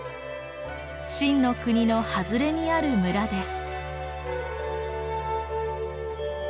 晋の国の外れにある村です。